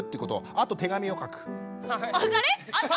あと手紙を書く？